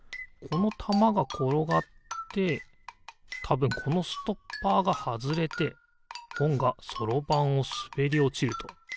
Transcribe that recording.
このたまがころがってたぶんこのストッパーがはずれてほんがそろばんをすべりおちると。